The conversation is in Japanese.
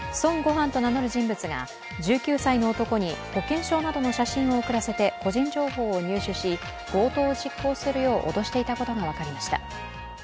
飯と名乗る人物が１９歳の男に保険証などの写真を送らせて個人情報を入手し強盗を実行するよう脅していたことが分かりました。